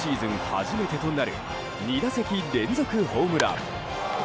初めてとなる２打席連続ホームラン！